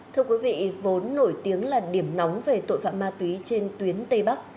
thưa quý vị vốn nổi tiếng là điểm nóng về tội phạm ma túy trên tuyến tây bắc